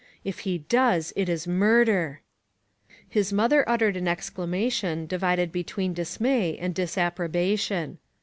If he does, it is murder !" His mother uttered an exclamation divided between dismay and disapprobation.